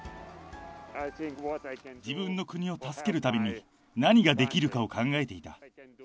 自分の国を助けるために、何ができるかを考えていた。